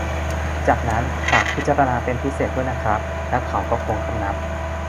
จากนั้น ฝากพิจารณาเป็นพิเศษด้วยนะครับ แล้วเขาก็โค้งคำนับ